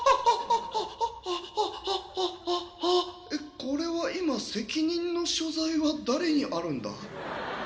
えっこれは今責任の所在は誰にあるんだ？